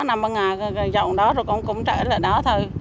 năm bằng ngày dọn đó rồi cũng trễ là đó thôi